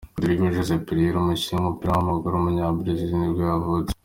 Rodrigo José Pereira, umukinnyi w’umupira w’amaguru w’umunyabrazil nibwo yavutse.